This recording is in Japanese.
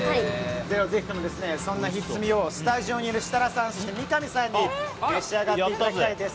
ぜひとも、そんなひっつみをスタジオにいる設楽さんそして三上さんに召し上がっていただきたいです。